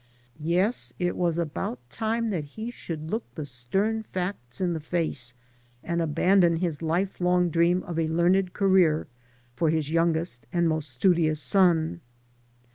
Yes, it was about time that he should look the stem facts in the face and abandon his lifelong dream of a learned career for his youngest and most studious son.